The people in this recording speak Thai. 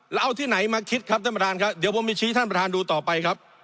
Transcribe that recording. แล้วเอาที่ไหนมาคิดครับท่านประธานครับเดี๋ยวผมไปชี้ท่านประธานดูต่อไปครับ